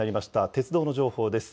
鉄道の情報です。